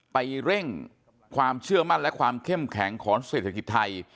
ไปเร่งความเชื่อมั่นและความเข้มแข็งของเศรษฐกิจไทย